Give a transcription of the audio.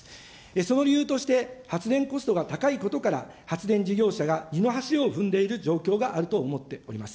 その理由として、発電コストが高いことから、発電事業者が二の足を踏んでいる状況があると思っております。